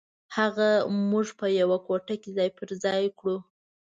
هغه موږ په یوه کوټه کې ځای پر ځای کړو.